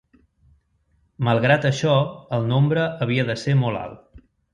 Malgrat això el nombre havia de ser molt alt.